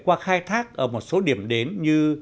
qua khai thác ở một số điểm đến như